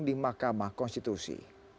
di mahkamah konstitusi